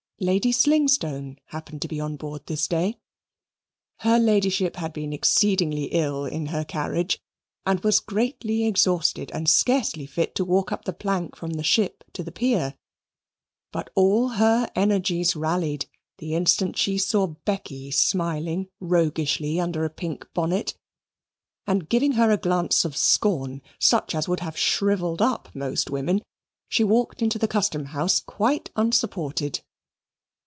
Lady Slingstone happened to be on board this day. Her ladyship had been exceedingly ill in her carriage, and was greatly exhausted and scarcely fit to walk up the plank from the ship to the pier. But all her energies rallied the instant she saw Becky smiling roguishly under a pink bonnet, and giving her a glance of scorn such as would have shrivelled up most women, she walked into the Custom House quite unsupported.